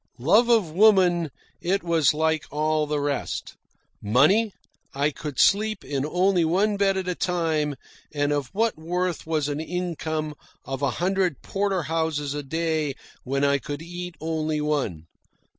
Love of woman it was like all the rest. Money I could sleep in only one bed at a time, and of what worth was an income of a hundred porterhouses a day when I could eat only one?